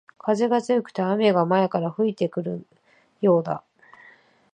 風が強くて雨が前から吹いてくるようだ